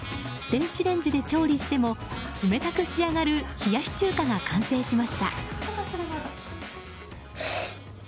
電子レンジで調理しても冷たく仕上がる冷やし中華が完成しました。